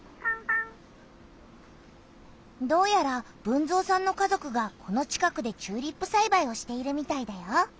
どうやら豊造さんの家族がこの近くでチューリップさいばいをしているみたいだよ。